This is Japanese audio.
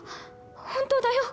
本当だよ。